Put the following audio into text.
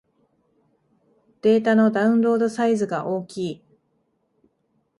データのダウンロードサイズが大きい